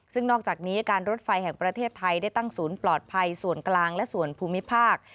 ซึ่งนอกจากนี้การรถไฟแห่งประเทศไทยได้ตั้งศูนย์ปลอดภัยส่วนกลางและส่วนภูมิภาค